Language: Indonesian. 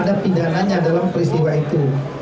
dan apa yang terjadi dalam peristiwa itu